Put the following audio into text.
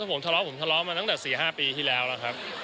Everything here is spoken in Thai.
ผมทะเลาะผมทะเลาะมาตั้งแต่๔๕ปีที่แล้วแล้วครับ